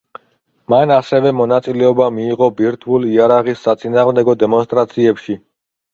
მან ასევე მონაწილეობა მიიღო ბირთვული იარაღის საწინააღმდეგო დემონსტრაციებში.